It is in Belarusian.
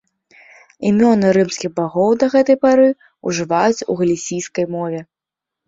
Імёны рымскіх багоў да гэтай пары ўжываюцца ў галісійскай мове.